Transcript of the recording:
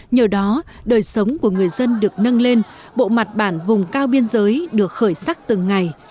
nhờ đó đời sống của người dân được nâng lên bộ mặt bản vùng cao biên giới được khởi sắc từng ngày